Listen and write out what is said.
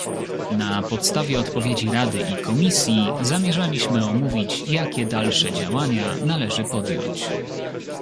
Na podstawie odpowiedzi Rady i Komisji zamierzaliśmy omówić, jakie dalsze działania należy podjąć